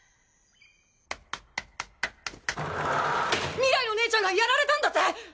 ミライの姉ちゃんがやられたんだって！？